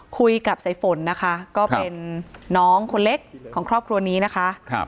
สายฝนนะคะก็เป็นน้องคนเล็กของครอบครัวนี้นะคะ